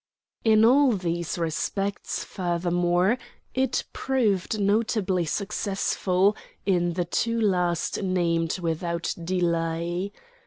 In all three respects, furthermore, it proved notably successful; in the two last named without delay.